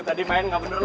lo tadi main ga bener lo